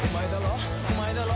「お前だろ？